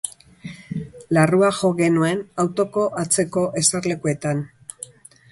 Larrua jo genuen autoko atzeko eserlekuetan.